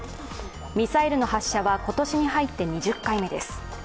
ミサイルの発射は今年に入って２０回目です。